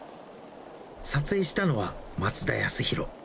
撮影したのは松田康弘。